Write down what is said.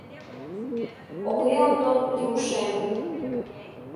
Окыри Ондон Римушем